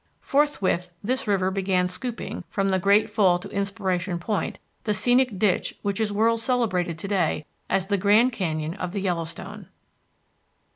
Forthwith this river began scooping, from the Great Fall to Inspiration Point, the scenic ditch which is world celebrated to day as the Grand Canyon of the Yellowstone.